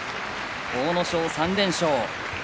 阿武咲は３連勝。